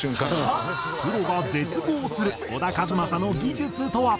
プロが絶望する小田和正の技術とは？